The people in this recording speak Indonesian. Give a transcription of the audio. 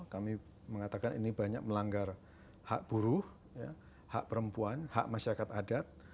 kami mengatakan ini banyak melanggar hak buruh hak perempuan hak masyarakat adat